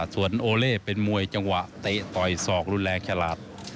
ส่วนโอเล่เป็นมวยจังหวะเตะต่อยศอกรุนแรงฉลาด